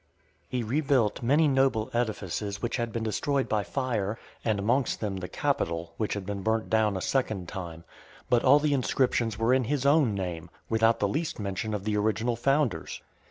V. He rebuilt many noble edifices which had been destroyed by fire, and amongst them the Capitol, which had been burnt down a second time ; but all the inscriptions were in his own name, without the least mention of the original founders.